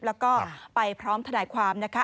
แล้วก็ไปพร้อมทนายความนะคะ